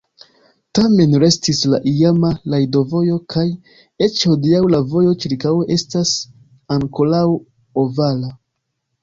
Tamen restis la iama rajdovojo kaj eĉ hodiaŭ la vojo ĉirkaŭe estas ankoraŭ ovala.